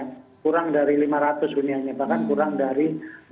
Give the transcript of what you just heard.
kurang dari lima ratus bunyinya bahkan kurang dari empat ratus